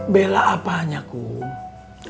bela apanya kum